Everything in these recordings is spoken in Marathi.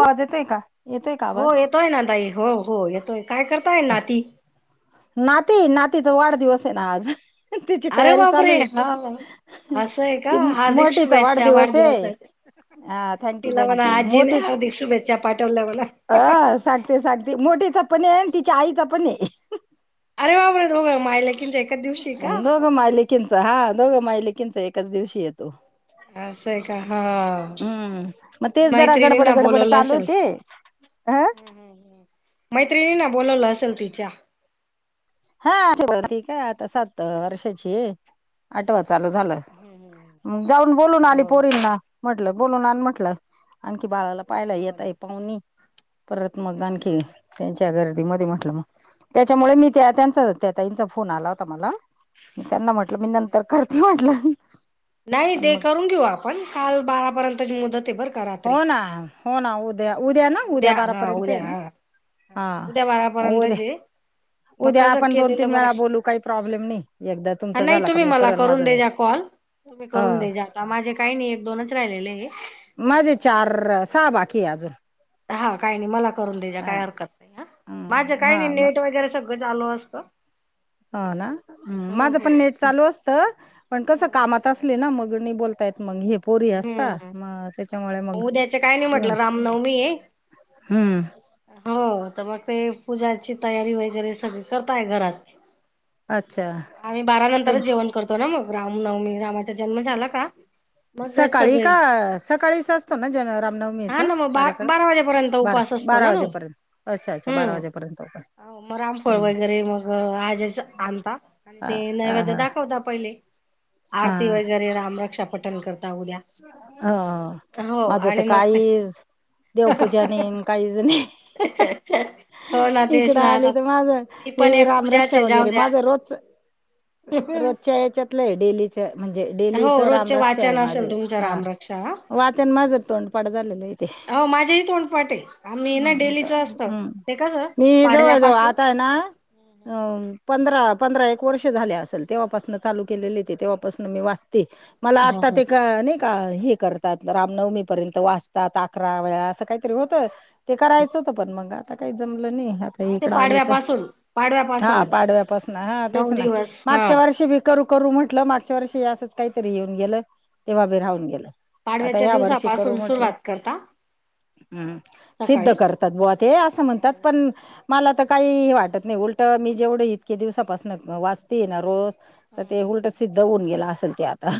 वाज येतोय का? येतय का आवाज? तोय ना ताई. हो हो येतोय. काय करताय नाती? नाती? नातीचा वाढदिवस आहे ना आज. तिची अरे तयारी बापरे चालूये. हा असं आहे का ती हार्दिक मोठीचा शुभेच्छा वाढदिवसये. वाढदिवसाच्या हा, थँक तिला म्हणा थँक्यू. आजीने मोठी हार्दिक शुभेच्छा पाठवल्या मला अ सात ते सांगते, मोठीचा पने आणि तिच्या आईचा पणये. अरे वा वा! [unintelligible] मायलेकींचा एक अन दोघं मायलेकींचा, हा दोघं मायलेकींचा एकाच दिवशी येतो. असंय का? हा हम्म मग तेच जरा मैत्रिणी गडबड ना गडबड बोलवलं चालू असेल. होती. अ मैत्रिणी ना बोलावलं असेल तिच्या? हा [unintelligible] काय आता सात वर्षांचीये, आठव चालू झाल. हम्म, हम्म. मग जाऊन बोलून आली हो पोरींना. म्हटलं बोलून आण म्हटलं आणखी बाळाला पायला हो ना येताय पाहुणे. परत मग हो ना आणखी हो ना त्यांच्या गर्दी मध्ये हा, म्हटलं मग. त्याच्यामुळे मी त्या हो. त्यांच त्या ताईंचा फोन आला होता मला. त्यांना म्हटल अच्छा मी अच्छा नंतर करते म्हटलं. पण मग पण काल बारा पर्यंतची मुदते बर का. रात्री हो ना, हो ना उद्या. उद्या ना उद्या हा बारापर्यंत आहे उद्या ना? हा हा हा, उद्या मग उद्या- बारापर्यंतचे मग उद्या कसं आपण दोन- केलेलं तीन बरं वेळा बोलू. कायी प्रॉब्लेम नाही. एकदा तुमचा नाही, झाला का तुम्ही मी मला करल करून माझा देजा कॉल. तुम्ही ह करून देजा. आता माझे काही नाही. एक- दोनच राहिलेले आहे. माझे चारर- सहा बाकीय अजून. हा, काही नाही, मला करून द्याजा. हा काही हरकत नाही आ. माझं काही हा नाही, मग नेट वगैरे सगळं चालू असतं. ह ना. हम्म, हो माझं हो पण नेट, चालू असत च. पण कसं हो कामात असले ना, मग नाही बोलता येत. मग हे पोरी असता. हम्म मग त्याच्यामुळे मग उद्याच काय नाही म्हटलं रामनवमी आहे हम्म. हो, तर मग ते, पूजाची तयारी वगैरे सगळी करताय घरात. अच्छा. आम्ही बारा तर नंतरच जेवण करतो ना मग. रामनवमी, रामाचा जन्म झाला का मग सकाळी सगळे. का सकाळीच असतो ना जन हा रामनवमीचा ना, मग. बारा- कार्यक्रम बारा वाजेपर्यंत बारा उपवास असतो बारा ना तो. वाजेपर्यंत अच्छा अच्छा बारा हम्म. वाजेपर्यंत मग रामफळ हम्म वगैरे मग, आज्याच आणता. अन् हा ते हा नैवेद्य हा दाखवता पहिले. आरती वगैरे, रामरक्षा पठण करत ह, माझं तर आणि मग ते काइज देवपूजा नाई न काहीज नाई. हो ना तेच इकड ना आले आता तर माजं ती ते पण बी, एक पूजाच रामरक्षा आहे जाऊ वगैरे. द्या माझं रोजच [inaudible] रोजच्या याच्यातलंय डेलीच. म्हणजे, हो डेलीच रोजचे रामरक्षाय वाचन असेल माझं. तुमच्या हा, रामरक्षा हा. वाचन माझं तोंडपाट झालेलंय ते. हो माझेही तोंडपाठ आहे आम्ही ना हम्म, का. डेलीच असतं हम्म, ते कसं मी जवळ- जवळ पाडव्यापासून आताय ना अं पंधरा- पंधरा एक वर्ष झाल्या असेल. तेव्हापासन चालू केलेलंय ते. तेव्हापासनं मी वाचते. मला हो आत्ता हो ते का नाही का हे करतात, रामनवमी पर्यंत वाचतात, अकरा वेळा. असं काहीतरी होतं ते करायचं होतं, पण मग आता काही जमलं नाही. आत ता अहो ते इकडं आली तर. पाडव्यापासून हा पाडव्यापासून पाडव्यापासनं, हा नऊ तेच ना. दिवस हा मागच्या वर्षी बी करू- करू म्हटलं, मागच्या वर्षी असच काही तरी येऊन गेलं. तेव्हा बि राहू हून गेलं. आता पाडव्याच्या या वर्षी करू दिवसापासून म्हटलं. सुरुवात करता हम्. सिद्ध सकाळी करतात बुवा ते, असं म्हणतात पण मला तर काही वाटत नाही. उलटं, मी जेवढं इतके दिवसापासून वाचतेये ना, रोज तर ते उलटं, सिद्ध होऊन गेलं असल ते आता.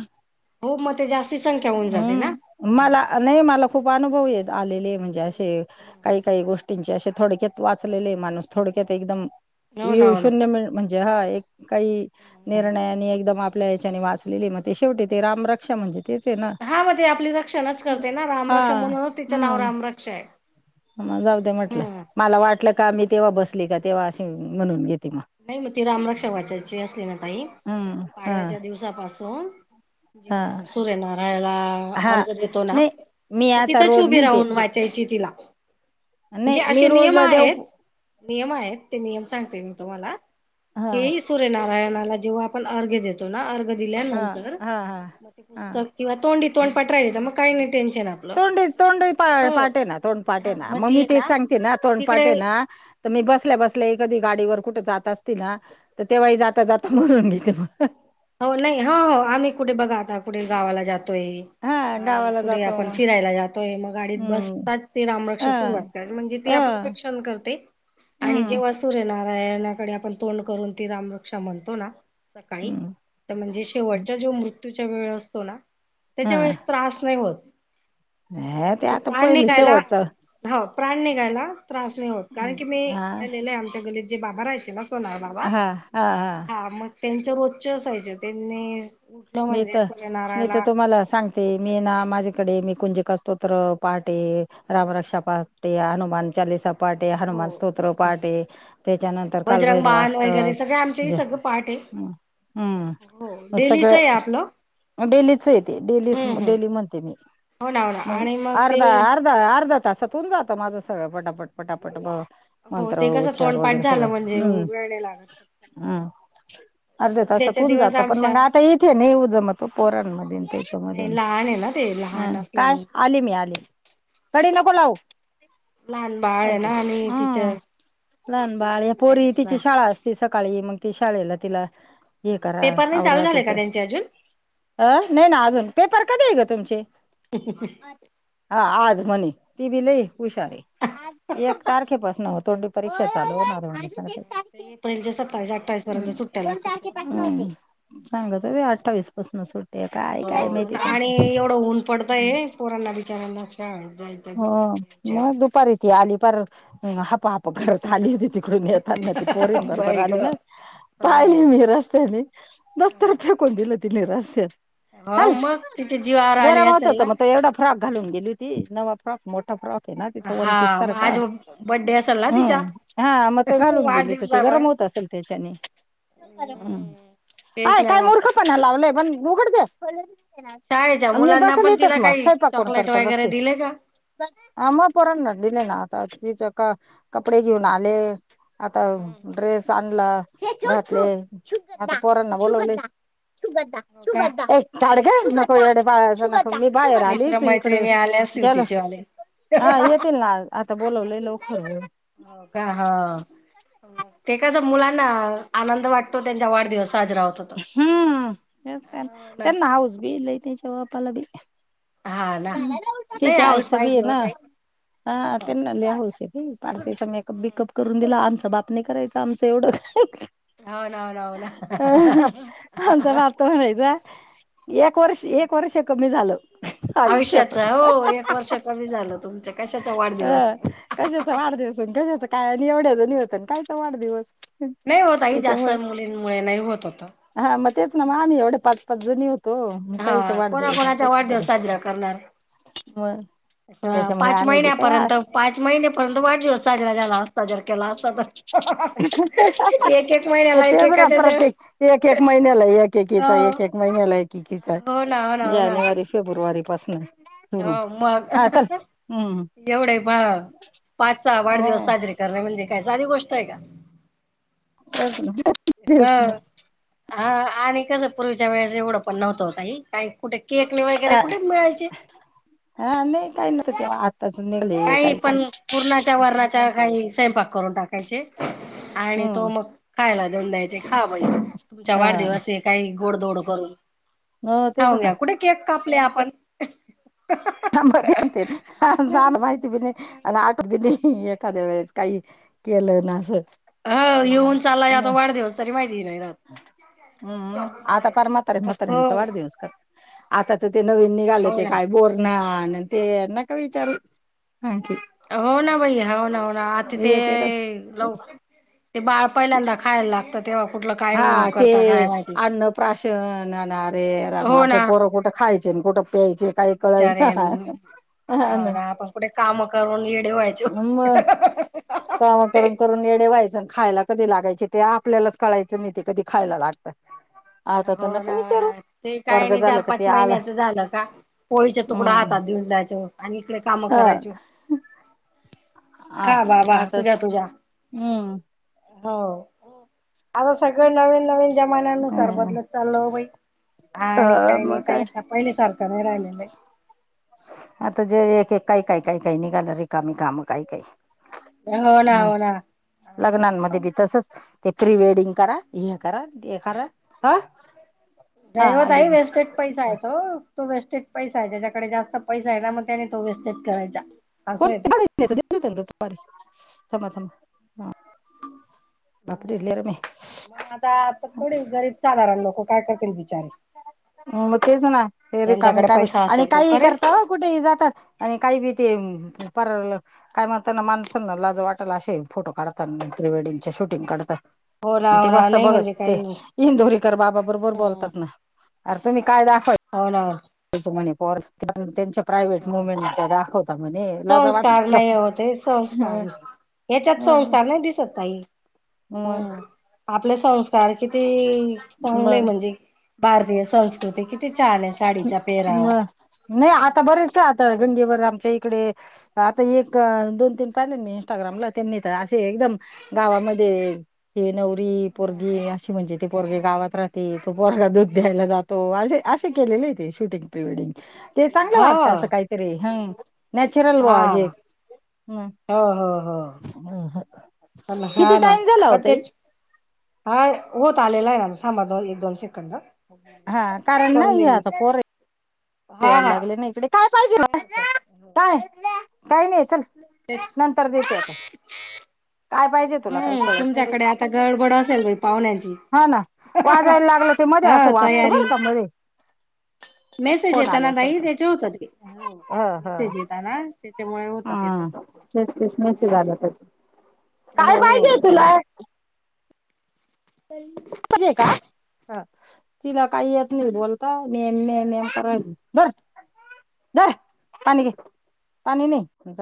हो मग, ते जास्ती संख्या होऊन जाते ना. हम्म मला नाही, मला खूप अनुभव येत आलेलेय. म्हणजे असे, काही- काही गोष्टींचे असे. थोडक्यात. वाचलेलेय माणूस, थोडक्यात एकदम. हो ना वीव हो ना शून्य मि म्हणजे, हा एक काही, निर्णयानी, एकदम आपल्या याच्याने, वाचलेले. म ते शेवटी रामरक्षा म्हणजे तेच आहे ना. हा म ते आपली रक्षणच करते ना, रामरक्षा. हा म्हणूनच तिचं नाव हम्म रामरक्षाय. मग जाऊ दे म्हटलं. मला वाटलं का, मी तेव्हा बसली का, तेव्हा अशी म्हणून घेते मग. नाही मग ती रामरक्षा वाचायची असली ना, ताई. हम्म हा पाडव्याच्या दिवसापासून हा जेव्हा सूर्यनारायला हा अर्घ देतो ना, नाही मी मग आता तिथंच रोज उभी म्हणते राहून वाच चायची तिला. म्हणजे, नाही मी असे रोज नियम देव आहेत. नियम आहेत. ते नियम सांगते मी तुम्हाला. हा की, स सूर्यनारायणाला जेव्हा आपण अर्घ देतो ना. अर्घ्य हा दिल्यानंतर हा हा मग ते हा पुस्तक किंवा तोंडी तोंड पाठ राहील मग काय नाय टेंशन तोंडी तोंडी पाटे ना तोंड पाटे हा ना मग म ती मी तेच ना सांगते ना तोंड पाटे तिकडे ना तर मी बसल्या बसल्या एखादी गाडीवर कुठे जात असते ना तर तेव्हाही जाता जाता म्हणून घेते मग आवो नायी हा, आम्ही कुठे बघा आता कुठे गावाला जातोय हा आणि गावाला कुठे जातो आपण मग फिरायला जातोय मग गाडीत हम्म बसताच ते अ रामरक्ष सुरुवात कर म्हणजे ते आपलं अ रक्षण करते आणि हम्म जेव्हा असं सूर्यनारायणाकडे आपण तोंड करून ती रामरक्षा म्हणतो ना? सकाळ हम्म तर म्हणजे शेवटच्या जो मृत्यूच्या वेळ असतो ना त्याच्या वेळेस त्रास नायी होत‌ हा ते म्हणजे आता प्राण पहिलं निघायला शेवटचं हाव प्राण निघायला त्रास नायी होत, कारण की मी हा गलेलं आहे आमच्या घरी जे बाबा राहायचे ना कोण हाय बाबा? हा हा हा मग त्यांच रोज असायच त्यांनी उठलं मी म्हणजे तर मी तर सूर्यनारायणाला तुम्हाला सांगते अर्घ्य मी ना देते माझे तकडे मी कुंजीकास्त्रोत पाठये, राम रक्षा पाठ हे हनुमान चालीसा पाठ हे हो हनुमान स्तोत्र पाटय सगळ त्याच्यानंतर बजरंग बाण कालभैरवाष्ट वगैरे सगळं आमच्याही सगळं पाठ आहे हम् हम्म म सगळ ते आपलं म डेलीचय ते डेलीच हम्म हम्म डेली म्हणते मी हो ना हो ना मग, आणि ते अर्धा अर्ध अर्धा अर्धा तासात होउन जातं माझं सगळं पटापट हो मंत्र ते कसं उच्चार तोंडपाठ वगैरे सगळं झालं म्हणजे हम्म वेळ नाही लागत हम् अर्ध्या मग तासात उद्याच्या होऊन दिवस जात पण आमच्या मग आता हेच ते नाहीे ओ जमत पोरांमध्ये त्याच्यामध्ये नाही लहान आहे ना ते ह लहान काय? असल्यामुळे आले मी आले, कडी नको लावू लहान बाळ आहे ना आणि तिच्या हम्... त्याच्यामुळे लहानबाळ, या काय पोरी तिची जमणार शाळा अस ती सकाळी, मग त शाळेला तिला हे करा पेपर नाही चालू आवरा झाले का तिचं त्यांचे अजून अ... नाही ना अजून, पेपर कधीय थथग तुमचे? ह [inaudible] हा आज म्हणे..., ती बी लई हुशारय ऐ एक तारखेपासनं होतो, परीक्षा चालू होणार [unintelligible] [inaudible] एक ते तारखे एप्रिलच्या सत्तावीस अठ्ठावीस पर्यंत सुट्ट्या दोन लागतील तारखे त्यांना. पासनं होते सांगातय बाई अठ्ठावीस पासंन सुरु हो आणि एवढं ऊन पडतंय पोरांना बिचाऱ्यानां शाळेत जायचं हो दुपार मग, दुपारी ती आली पार हाप हाप घरात आली होती तिकडून येताना, ती पोरीन बरोबर बाई ग आली ना? हा पाहिली मी रस्त्यानी दप्तर फेकून दिलं तिनं रस्त्यात हो चाल मग, तिच्या जीवावर आले गरम होत असेल होत ना? मग तो एवढा फ्रॉक घालून गेली होती, नवा फ्रॉक मोठा मोठा फॉकय ना तिचा वन हा पीस मग सारखा, आज बड्डे असेल ना तिच्या हम् हा मग तो घालून गेली तर मग वाढदिवसामुळे गरम होत होत असंल त्याच्याने, हमम, हम्म तेच अय नाही काय मग मूर्ख पणा लावलाय पण उघड ते शाळेच्या मी मुलांना बसंल पण तिला इथंच, म काही स्वयंपाक कोण चॉकलेट करत वगैरे बगते? दिले का? हा मग पोरांना दिले ना आता तिच्या का कपडे घेऊन आले, आता ड्रेस आणला, घातले आता पोरांना बोलवले हो का [unintelligible] [inaudible] झाड घ्य नको ए मी बाहेर आले मित्र तू इकडं मैत्रिणी आले असतील जेवलास? तिचेवाले. आ येतील ना आता बोलवलं लवकर हो का? ह ते कस मुलांना आनंद वाटतो त्यांचा वाढदिवस साजरा होतो. हम्म, ना त्यांना हाऊस बी लई त्यांच्या बापाला बी. हा ना नाही तिच्या आई हाऊस चा बी हे पाहिजे हो ना. ताई हा त्यांना लई हाऊस आहे पार त्यांचं मेकअप बेकअप करून दिला. आमचां बाप नाही करायचा आमच एवढं हो ना, हो ना, हो ना. तो म्हणायचा एक वर्ष, एक वर्ष कमी झालंय. आयुष्याच हो एक वर्ष कमी झालं तुमचा, कशाचा अ वाढदिवस? कशाचा वाढदिवस, न कशाच काय, आम्ही एवढ्या जणी होतो न कायचा वाढदिवस? नाहीओ ताई जास्त त्याच्यामुळे मुलींमुळे नाही होत आता. हा, मग तेच ना. मग आम्ही एवढे पाच, पाच जणी होत हा कोणाचा, कोणाचा वाढदिवस साजरा करणार? मग हा त्याच्यामुळे पाच आम्ही बी काय महिन्यापर्यंत, पाच महिन्यापर्यंत वाढदिवस साजरा झाला असता, जर केला असता तर. एक एक मग महिन्याला तेच ना, एकेकाच्या प्रत्येक एक, एक महिन्याला हो एकेकीचा एक, एक महिन्याला एकेकीचाय हो ना हो ना हो ना जानेवारी, फेब्रुवारी पासून हो मग, हम्म एवढे पा पाच, सहा वाढदिवस हा साजरे करणे म्हणजे काय साधी गोष्ट आहे का? होच ना. हं हा आणि कस पूर्वीच्या वेळेस, एवढं पण नव्हतं हो ताई कुठे केक वगैरे हा कुठे मिळायचे? हा नाही, काही नव्हतं तेव्हा. आत्ताच निघले काही काही पुरणाच्या, वरणाच्या काही स्वयंपाक करून टाकायचे. आणि तो हम्म मग खायला देऊन द्यायचे, खा बाई. तुझा हा वाढदिवसये. काही गोडदोड करून हो तेच खऊन ना घ्या, कुठे केक कापले आपण? [unintelligible] हो माहिती बी नाही. मला आठवतं बी नाही, एखाद्या वेळेस काही केलं ना असं. ह येऊन चालाय आता वाढदिवस तरी, माहिती नाही रात. हम्म, आता पार म्हातारे हो म्हाताऱ्यांचा वाढदिवस कर आता तर ते नवीन निघाले, हो ते ना काय बोरंन्हानं आणि ते नका विचारू आणखी. हो ना, बाई हो ना, हो ना. आता ते एक एकच लवकर ते बाळ पहिल्यांदा खायला लाग हा ते अन्नप्राशन अन् अरे रामा हो आशे ना पोर कुठ खायचे, कुठं प्यायचे काही बिचारे हो कळायच. ना आपण कुठे काम करून येडे व्हायचो. मग काम करून करून येडे व्हायचं अन् खायला कधी लागायचे ते आपल्यालाच कळायचं नाही ते कधी खायला लागत. हो ना, हो ना. ते काय वर्ग नाही झालं चार, का ते पाच आला महिन्याचं झालं का, पोळीचा तुकडा हम्म हातात देऊन द्यायचं. आणि इकडे कामं ह करायचे. आ खा बा बा आता तुझ्या तुझ्या. हम्म हो, आओ सगळं नवीन नवीन जमान्यानु सार बदल चाल वो बाई हा अ आणि काही नाही मग काय काही आता पहिले सारखं नाही राहिलेलं बाई. आता जे एक, एक काही काही काही काही निघाल. रिकामी काम काही काही. हो ना, हम्म. हो ना. लग्नांमध्ये बी तसंच ते प्री वेडिंग करा हे करा ते करा अ नाही ओ ताई वेस्टेज पैसा आहे तो तो वेस्टेज पैसा आहे त्याच्याकडे जास्त पैसा आहे ना मग त्यांनी तो वेस्टेज करायचा. असं आहे ते कोणतारी [unintelligible] थांबा थांबा हां. हम म आता आता थोडी गरीब साधारण लोकं काय करतील बिचारे. मग तेच ना हे रिकामी ज्यांच्याकडे रिकामी पैसा आणि असेल तो काही करेल करता कुठेही जातात आणि काही बी ते परल. काय म्हणताना माणसांना लाज वाटल अशे फोटो काढतात प्रीवेडिंगचे शूटिंग काढता. हो ना ते हो ना बसता नाही बघत म्हणजे ते काही इंदोरीकर बाबा बरोबर बोलतात ना. अर तुम्ही काय दाखव. होना. तेच म्हणे पोर त्यांच्या प्रायव्हेट हो ना. मुवमेंटच्या दाखव संस्कार नाही होत संस्कार याच्यात संस्कार नाही दिसत ताई म. हम्म आपले संस्कार किती चांगले आहे मग म्हणजे भारतीय संस्कृती किती छान आहे साडीचा पेहराव. मग नाही आता बरेच आता हो गंगेवर आमच्या इकडे आता एक दोन तीन पाहिले मी इंस्टाग्रामला त्यांनी तर अशे एकदम गावामध्ये हे नवरी पोरगी अशे. म्हणजे ते पोरगे गावत राहते तो पोरगा दूध द्यायला जातो अशे अशे केलेले आहेत ते शुटिंग प्रीवेडिंग. ते चांगलं हा वाटतं असं काहीतरी हम. नॅचरल हा वाजे हम हो हो हो पण हा किती ना टाइम झाला हो पण ताई. तेच हा होत आलेला आहे [unintelligible] थांबा दोनी एक दोन सेकंद हा मग करून देईन मी. हा याड हा लागलयं ना इकडे काय पाहिजेलाय हरकत नाही हो काय काई नाही चल. तेच नंतर देत आता. काय पाहिजे तुला काही हम्म कळत नाही बाई तुमच्याकडे आता गडबड असेल बाई पाहुण्याची. हो ना वाजायला लागलं ते मध्ये असं वाजतं तयारी बरं का मध्ये मेसेज फोन येता ना बाई आल्यासारखं त्याच्या होतात ते ह [unintelligible] ह मेसेज येताना तेच्यामुळे होतात येत हम्म तेच तेच असंल मेसेज आला त्याचा हम्म काय पाहिजे हो तुला अहं जे का ह. तिला काही येत नाही बोलता मेन मेन कराली धरं धरं पाणी घे पाणी नाही जाऊ